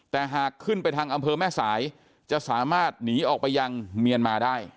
แต่หากขึ้นไปทางอำเภอแม่สายจะสามารถหนีออกไปยังเมียนมาได้